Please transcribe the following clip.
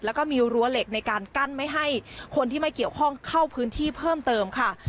แล้วก็มีรั้วเหล็กในการกั้นไม่ให้คนที่ไม่เกี่ยวข้องเข้าพื้นที่เพิ่มเติมค่ะ